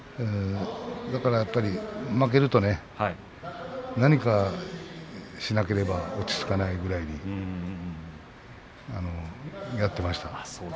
負けると何かしなければ落ち着かないぐらいにやっていました。